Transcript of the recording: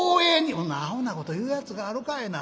「ほんなアホなこと言うやつがあるかいな」。